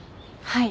はい。